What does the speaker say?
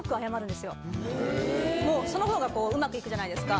その方がうまくいくじゃないですか。